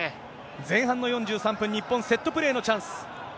前半の４３分、日本、セットプレーのチャンス。